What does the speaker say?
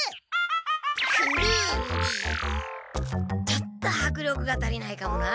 ちょっとはくりょくがたりないかもな。